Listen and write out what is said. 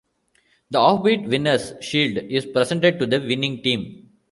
The Offbeat Winners Shield is presented to the winning team.